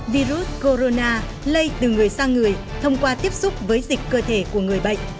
virus corona lây từ người sang người thông qua tiếp xúc với dịch cơ thể của người bệnh